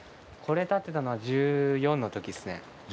これ建てたのは１４の時ですね。